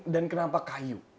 dan kenapa kayu